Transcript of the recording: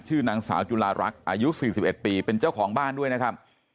นางสาวจุลารักษ์อายุ๔๑ปีเป็นเจ้าของบ้านด้วยนะครับ